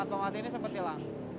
empat mamati ini sempat hilang